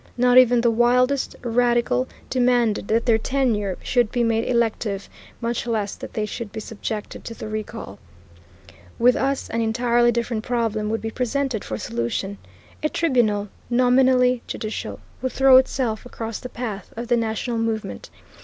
Not even the wildest radical demanded that their tenure should be made elective, much less that they should be subjected to the recall. With us an entirely different problem would be presented for solution. A tribunal, nominally judicial, would throw itself across the path of the national movement.